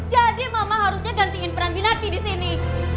jadi mama harusnya gantiin peran binarti disini